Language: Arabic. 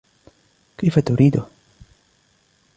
كيف تريده؟